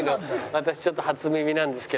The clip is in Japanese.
私ちょっと初耳なんですけど。